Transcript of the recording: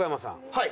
はい。